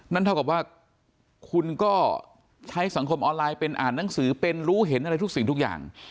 เท่ากับว่าคุณก็ใช้สังคมออนไลน์เป็นอ่านหนังสือเป็นรู้เห็นอะไรทุกสิ่งทุกอย่าง